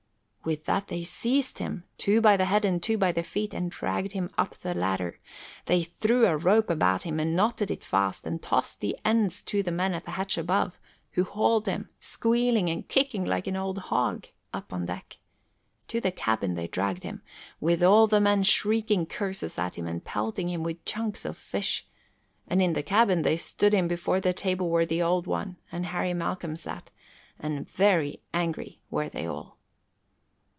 With that they seized him, two by the head and two by the feet, and dragged him to the ladder. They threw a rope about him and knotted it fast and tossed the ends to men at the hatch above, who hauled him, squealing and kicking like an old hog, up on deck. To the cabin they dragged him, with all the men shrieking curses at him and pelting him with chunks of fish, and in the cabin they stood him before the table where the Old One and Harry Malcolm sat, and very angry were they all.